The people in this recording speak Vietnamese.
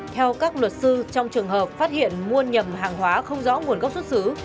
theo các luật sư trong trường hợp phát hiện mua nhầm hàng hóa không rõ nguồn gốc xuất xứ